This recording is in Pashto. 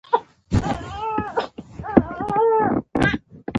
پښتانه ځوانان بايد له پښتنو نجونو سره واده وکړي.